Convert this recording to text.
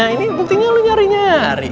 ini buktinya lu nyari nyari